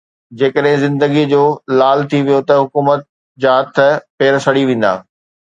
جيڪڏهن زندگي جو لال ٿي ويو ته حڪومت جا هٿ پير سڙي ويندا.